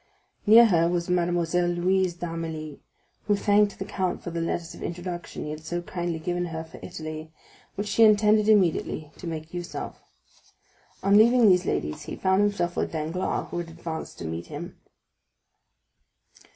Near her was Mademoiselle Louise d'Armilly, who thanked the count for the letters of introduction he had so kindly given her for Italy, which she intended immediately to make use of. On leaving these ladies he found himself with Danglars, who had advanced to meet him.